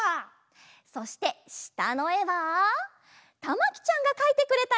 そしてしたのえはたまきちゃんがかいてくれたえです。